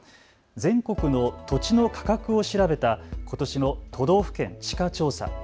全国の土地の価格を調べたことしの都道府県地価調査。